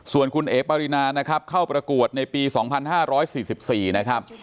ส่วนคุณเอ๋ปารินานะครับเข้าประกวดในปี๒๕๔๔นะครับ